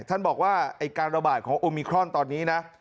ท่านบอกว่าไอ้การระบาดของโอมิครอนตอนนี้นะ